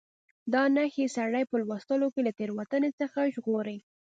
دا نښې سړی په لوستلو کې له تېروتنې څخه ژغوري.